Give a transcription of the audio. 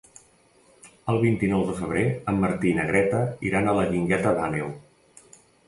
El vint-i-nou de febrer en Martí i na Greta iran a la Guingueta d'Àneu.